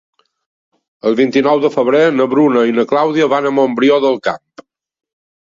El vint-i-nou de febrer na Bruna i na Clàudia van a Montbrió del Camp.